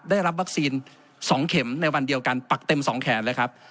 ได้รับวัคซีน๒เข็มในวันเดียวกันปักเต็ม๒แขนเลยครับ